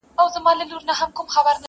پوره درې مياشتي امير دئ زموږ پېشوا دئ؛